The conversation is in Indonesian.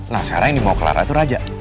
nah sekarang yang mau clara itu raja